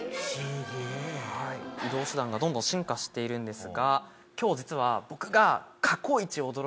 移動手段がどんどん進化しているんですが今日実は僕が。